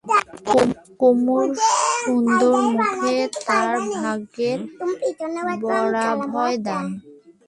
কুমুর সুন্দর মুখে তার ভাগ্যের বরাভয় দান।